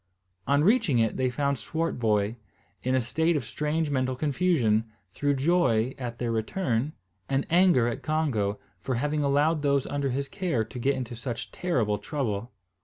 On reaching it they found Swartboy in a state of strange mental confusion, through joy at their return, and anger at Congo, for having allowed those under his care to get into such terrible trouble.